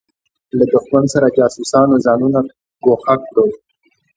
له دښمن له جاسوسانو ځانونه ګوښه کړو.